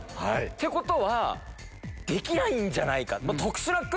ってことはできないんじゃないか。